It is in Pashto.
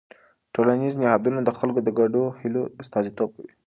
ټولنیز نهادونه د خلکو د ګډو هيلو استازیتوب کوي.